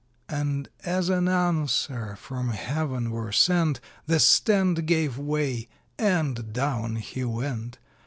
And as an answer from Heaven were sent, The stand gave way, and down he went.